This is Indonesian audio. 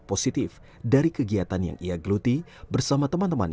seperti terproblem yang kyn dinamai pemirsa section of eleven sejang nih